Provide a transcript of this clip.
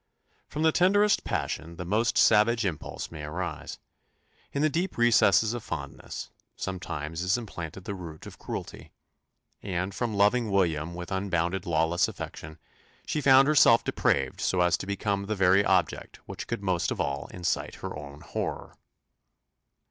From the tenderest passion the most savage impulse may arise: in the deep recesses of fondness, sometimes is implanted the root of cruelty; and from loving William with unbounded lawless affection, she found herself depraved so as to become the very object which could most of all excite her own horror!